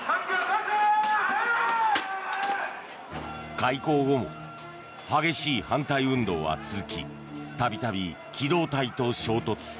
開港後も激しい反対運動は続き度々、機動隊と衝突。